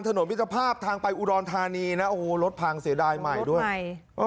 ถนนวิทยาภาพทางไปอุดรณฑานีนะโอ้โหรถพังเสียดายใหม่ด้วย